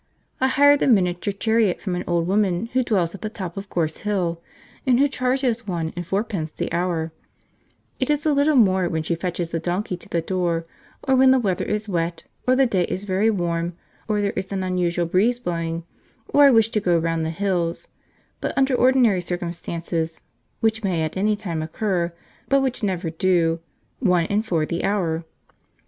I hire the miniature chariot from an old woman who dwells at the top of Gorse Hill, and who charges one and fourpence the hour, It is a little more when she fetches the donkey to the door, or when the weather is wet or the day is very warm, or there is an unusual breeze blowing, or I wish to go round the hills; but under ordinary circumstances, which may at any time occur, but which never do, one and four the hour.